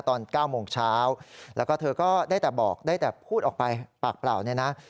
ตอน๙โมงเช้าแล้วก็เธอก็ได้แต่บอกได้แต่พูดออกไปปากเปล่าเนี่ยนะ